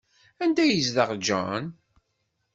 Anda ay yezdeɣ John?